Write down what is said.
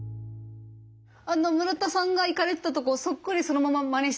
村田さんが行かれてたとこそっくりそのまままねしたいですね。